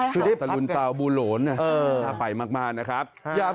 คือเทพตะลุนเตาบูโหลนน่าไปมากนะครับ